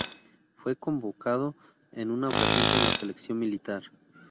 Fue convocado en una ocasión por la selección militar.